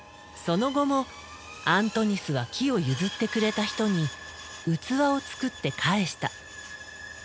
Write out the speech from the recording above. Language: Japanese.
その後もアントニスは木を譲ってくれた人に器を作って返した。